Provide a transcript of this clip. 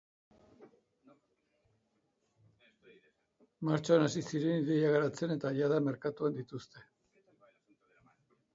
Martxoan hasi ziren ideia garatzen eta jada merkatuan dituzte.